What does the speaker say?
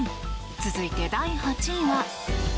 続いて、第８位は。